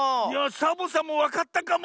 サボさんもわかったかも！